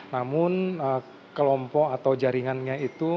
namun kelompok atau jaringannya itu